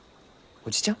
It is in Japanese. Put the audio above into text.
おじちゃん？